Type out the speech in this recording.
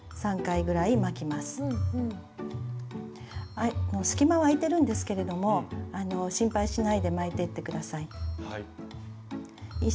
はい隙間は空いてるんですけれども心配しないで巻いていってください。